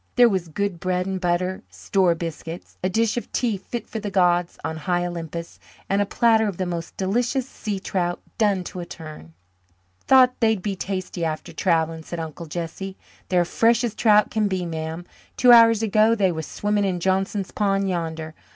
There was good bread and butter, "store" biscuits, a dish of tea fit for the gods on high Olympus, and a platter of the most delicious sea trout, done to a turn. "Thought they'd be tasty after travelling," said Uncle Jesse. "They're fresh as trout can be, ma'am. Two hours ago they was swimming in Johnson's pond yander.